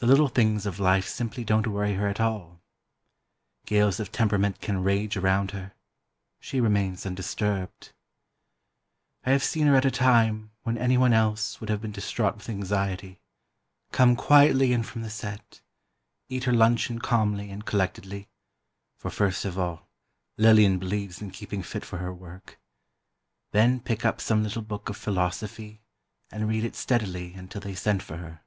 "The little things of life simply don't worry her at all. Gales of temperament can rage around her—she remains undisturbed.... I have seen her at a time when anyone else would have been distraught with anxiety, come quietly in from the set, eat her luncheon calmly and collectedly (for first of all, Lillian believes in keeping fit for her work), then pick up some little book of philosophy and read it steadily until they sent for her.